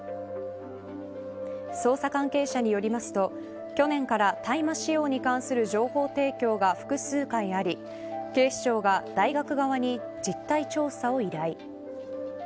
捜査関係者によりますと去年から大麻使用に関する情報提供が複数回あり警視庁が大学側に実態調査を依頼。